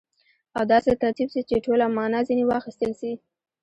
او داسي ترتیب سي، چي ټوله مانا ځني واخستل سي.